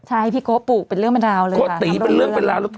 ใช่พี่โก้ปลูกเป็นเเรื่องมาตลาดเลยค่ะ